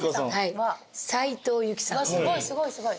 すごいすごいすごい。